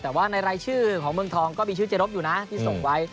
แต่ว่าในรายชื่อของเมืองทองก็มีชื่อเจรบอยู่นะที่ส่งไว้